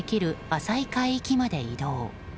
浅い海域まで移動。